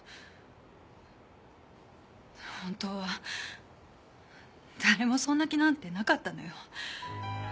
本当は誰もそんな気なんてなかったのよ。